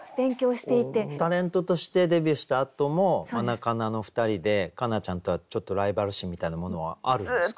タレントとしてデビューしたあともマナカナの２人で佳奈ちゃんとはちょっとライバル心みたいなものはあるんですか？